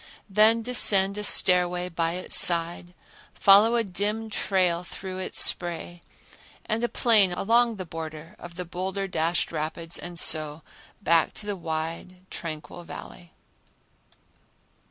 Then descend a stairway by its side, follow a dim trail through its spray, and a plain one along the border of the boulder dashed rapids and so back to the wide, tranquil Valley.